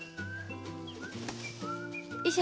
よいしょ。